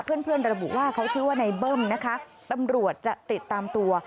เพื่อนเพื่อนระบุว่าเขาชื่อว่าในเบิ้มนะคะตำรวจจะติดตามตัว